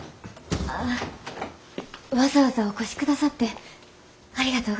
ああわざわざお越しくださってありがとうございます。